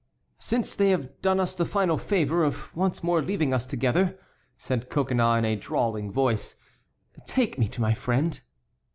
"Since they have done us the final favor of once more leaving us together," said Coconnas in a drawling voice, "take me to my friend."